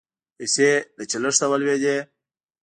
پیسې له چلښته ولوېدې